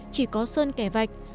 chỉ có sơn kẻ vạch